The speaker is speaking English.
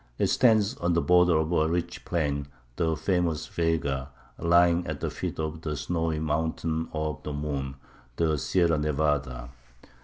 It stands on the border of a rich plain, the famous "Vega," lying at the feet of the snowy "mountains of the moon," the Sierra Nevada.